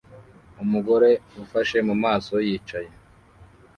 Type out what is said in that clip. Umugore ufashe mu maso yicaye